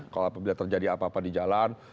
kalau apabila terjadi apa apa di jalan